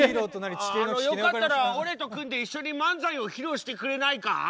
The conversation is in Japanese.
あのよかったら俺と組んで一緒に漫才を披露してくれないか？